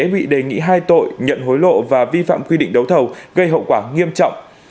bị đề nghị hai tội nhận hối lộ và vi phạm quy định đấu thầu gây hậu quả nghiêm trọng